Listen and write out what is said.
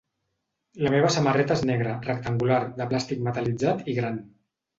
La meva samarreta és negra, rectangular, de plàstic metal·litzat i gran.